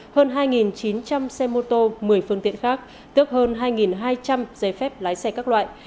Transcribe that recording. hơn hai chín trăm linh xe mô tô một mươi phương tiện khác tước hơn hai hai trăm linh giấy phép lái xe các loại